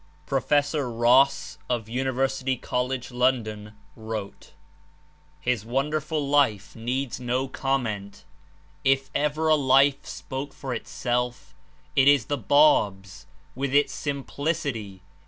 Prof. Ross, of University College, London, wrote: *''His wonderful life needs no comment. If ever a life spoke for itself, it is the Bab's with its simplicity.